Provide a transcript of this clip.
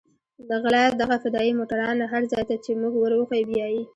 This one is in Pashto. غله دغه فدايي موټران هر ځاى ته چې موږ وروښيو بيايي.